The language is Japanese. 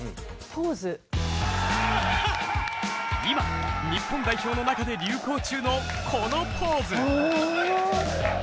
今日本代表の中で流行中のこのポーズ。